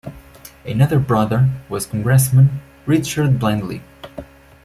Another brother was Congressman Richard Bland Lee.